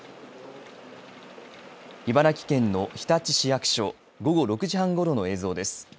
茨城県の日立市役所午後６時半ごろの様子です。